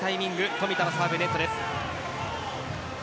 富田のサーブネットです。